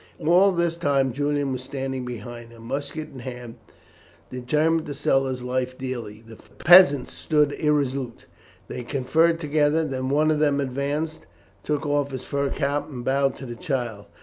All this time Julian was standing behind her, musket in hand, determined to sell his life dearly. The peasants stood irresolute; they conferred together; then one of them advanced, and took off his fur cap and bowed to the child.